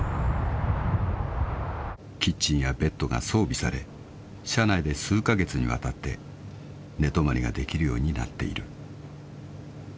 ［キッチンやベッドが装備され車内で数カ月にわたって寝泊まりができるようになっている］